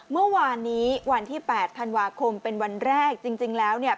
เมื่อวานนี้วันที่๘ธันวาคมเป็นวันแรกจริงแล้วเนี่ย